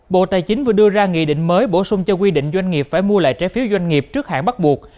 bộ tài chính vừa đưa ra nghị định mới bổ sung cho quy định doanh nghiệp phải mua lại trái phiếu doanh nghiệp trước hãng bắt buộc